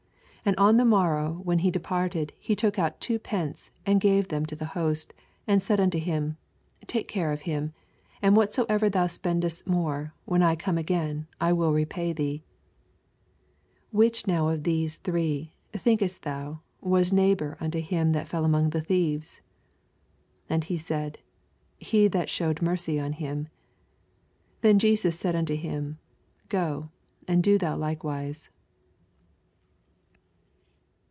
85 And on the morrow when he departed, he took out two pence, and gave tkem to the host, and said unto him. Take care of him : and whatso ever thou spendest more, when I come again, I will repay thee. 86 which now of these three, think est thou, was neighbor unto him that fell among the thieves ? 87 And he said. He that shewed mercy on him. Then said Jesus unto him, Qo, and do thou likewise.